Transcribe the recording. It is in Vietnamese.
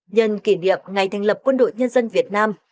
nhân kỷ niệm ngày thành lập quân đội nhân dân việt nam